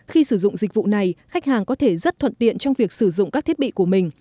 khi sử dụng dịch vụ này khách hàng có thể rất thuận tiện trong việc sử dụng các thiết bị của mình